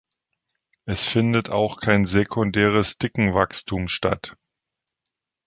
Es findet auch kein Sekundäres Dickenwachstum statt.